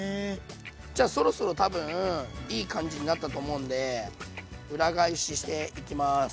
じゃそろそろ多分いい感じになったと思うんで裏返ししていきます。